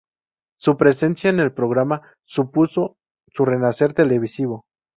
Su presencia en el programa supuso su renacer televisivo.